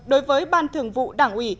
đối với ban thường vụ đảng ủy